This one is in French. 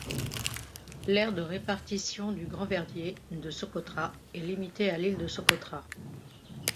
L'aire de répartition du Grand-verdier de Socotra est limitée à l'île de Socotra.